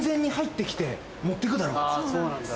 そうなんです。